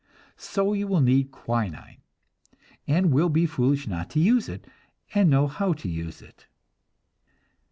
So you will need quinine, and will be foolish not to use it, and know how to use it.